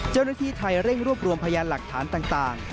เจ้าหน้าที่ไทยเร่งรวบรวมพยานหลักฐานต่าง